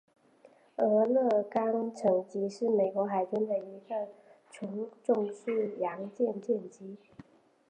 俄勒冈城级是美国海军的一个重巡洋舰舰级。